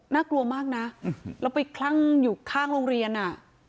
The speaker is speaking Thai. น่ากลัวมากนะแล้วไปคลั่งอยู่ข้างโรงเรียนอ่ะ